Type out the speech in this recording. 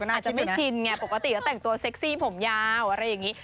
อาจจะไม่ชินไงปกติก็แต่งตัวเซ็กซี่ผมยาวอะไรอย่างนี้